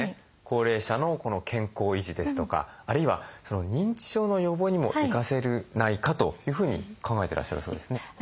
高齢者の健康維持ですとかあるいは認知症の予防にも生かせないかというふうに考えてらっしゃるそうですね。